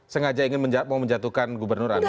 sengaja ingin menjatuhkan gubernur anda